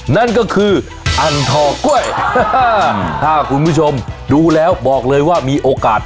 นั่นก็คืออันทอกล้วยถ้าคุณผู้ชมดูแล้วบอกเลยว่ามีโอกาส